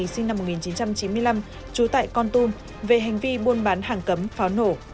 sinh năm một nghìn chín trăm chín mươi năm trú tại con tum về hành vi buôn bán hàng cấm pháo nổ